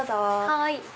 はい。